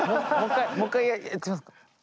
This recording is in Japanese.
もう一回やってみますか。